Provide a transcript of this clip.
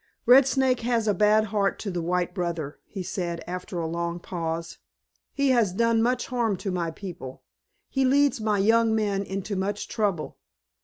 "Red Snake has a bad heart to the white brother," he said after a long pause. "He has done much harm to my people. He leads my young men into much trouble.